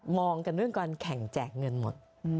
องกันเรื่องการแข่งแจกเงินหมด